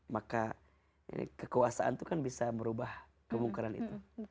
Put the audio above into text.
maka kekuasaan itu kan bisa merubah kemungkaran itu